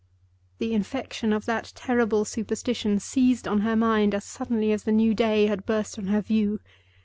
The infection of that terrible superstition seized on her mind as suddenly as the new day had burst on her view.